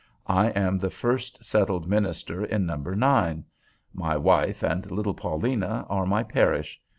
I am the first settled minister in No. 9. My wife and little Paulina are my parish.